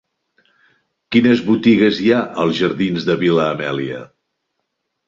Quines botigues hi ha als jardins de la Vil·la Amèlia?